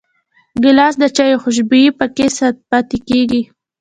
ګیلاس د چايو خوشبويي پکې پاتې کېږي.